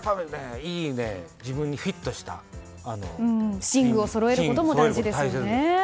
自分にフィットした寝具をそろえることも大事ですね。